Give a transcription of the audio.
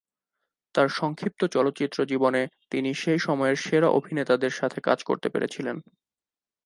তাঁর সংক্ষিপ্ত চলচ্চিত্র জীবনে, তিনি সেই সময়ের সেরা অভিনেতাদের সাথে কাজ করতে পেরেছিলেন।